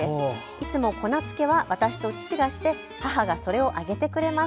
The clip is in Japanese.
いつも粉付けは私と父がして母がそれを揚げてくれます。